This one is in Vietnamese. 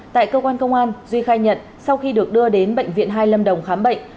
tại cơ quan công an duy khai nhận sau khi được đưa đến bệnh viện hai lâm đồng khám bệnh